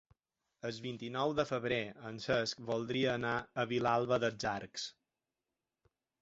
El vint-i-nou de febrer en Cesc voldria anar a Vilalba dels Arcs.